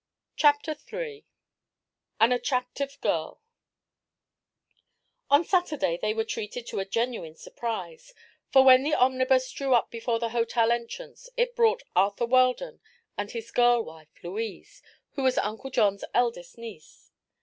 CHAPTER III AN ATTRACTIVE GIRL On Saturday they were treated to a genuine surprise, for when the omnibus drew up before the hotel entrance it brought Arthur Weldon and his girl wife, Louise, who was Uncle John's eldest niece.